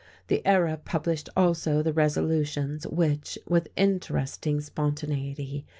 The Era published also the resolutions which (with interesting spontaneity!)